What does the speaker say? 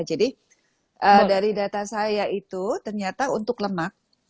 jadi dari data saya itu ternyata untuk lemak